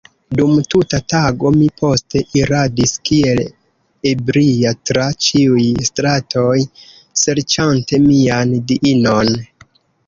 Dum tuta tago mi poste iradis kiel ebria tra ĉiuj stratoj, serĉante mian diinon.